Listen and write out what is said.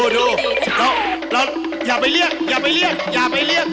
ดูอย่าไปเรียก